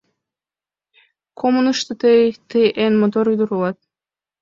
— Коммунышто тый... тый эн мотор ӱдыр улат!